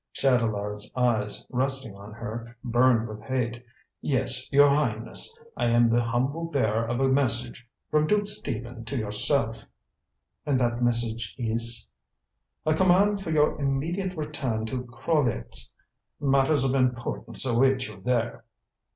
Chatelard's eyes, resting on her, burned with hate. "Yes, your Highness. I am the humble bearer of a message from Duke Stephen to yourself." "And that message is ?" "A command for your immediate return to Krolvetz. Matters of importance await you there."